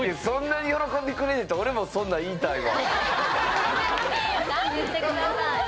そんなに喜んでくれるんやったら俺もそんなん言いたいわ。